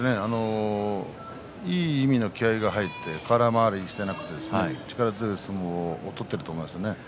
いい意味の気合いが入って、空回りしていなくて力強い相撲を取っていると思いますね。